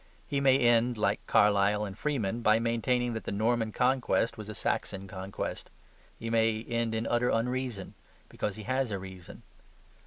He may end (like Carlyle and Freeman) by maintaining that the Norman Conquest was a Saxon Conquest. He may end in utter unreason because he has a reason.